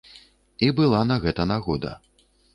І была на гэта нагода.